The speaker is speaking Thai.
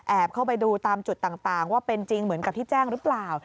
เข้าไปดูตามจุดต่างว่าเป็นจริงเหมือนกับที่แจ้งหรือเปล่า